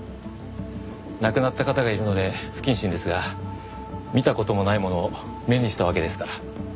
亡くなった方がいるので不謹慎ですが見た事もないものを目にしたわけですから。